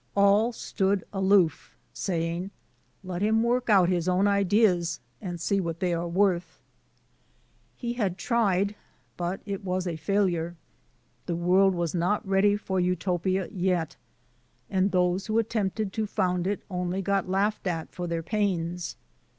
AH stood aloof, saying: *' Let him work out his own ideas, and see what they are worth." He had tried, but it was a failure. The world was not ready for Utopia yet, and those who at tempted to foimd it only got laughed at for their pains.